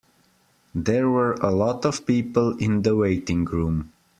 There were a lot of people in the waiting room.